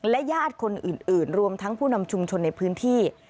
และญาติคนอื่นรวมทั้งผู้นำชุมชนในพื้นที่